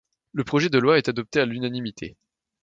Le projet de loi est adopté à l'unanimité.